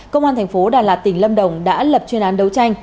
công an thành phố đà lạt tỉnh lâm đồng đã lập chuyên án đấu tranh